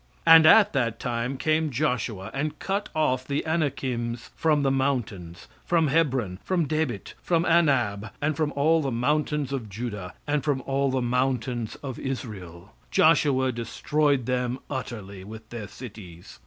"And at that time came Joshua, and cut off the Anakims from the mountains, from Hebron, for Debit, from Anab, and from all the mountains of Judah, and from all the mountains of Israel; Joshua destroyed them utterly with their cities.